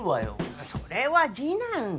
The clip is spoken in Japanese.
あっそれは次男。